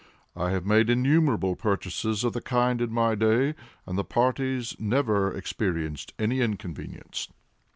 I have made innumerable purchases of the kind in my day, and the parties never experienced any inconvenience.